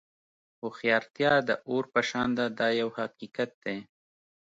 هوښیارتیا د اور په شان ده دا یو حقیقت دی.